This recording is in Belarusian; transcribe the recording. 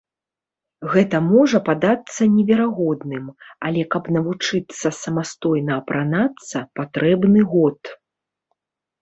Гэта можа падацца неверагодным, але каб навучыцца самастойна апранацца, патрэбны год.